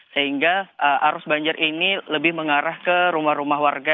sehingga arus banjir ini lebih mengarah ke rumah rumah warga